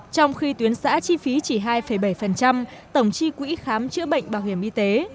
trong khi tuyến xã chi phí chỉ hai bảy tổng chi quỹ khám chữa bệnh bảo hiểm y tế